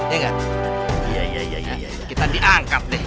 ini kan kita diangkat deh